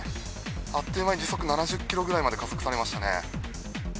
あっという間に時速７０キロぐらいまで加速されましたね。